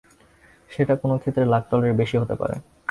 সেটা কোনো ক্ষেত্রে লাখ ডলারের বেশি হতে পারে।